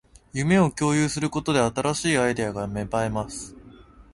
夢を共有することで、新しいアイデアが芽生えます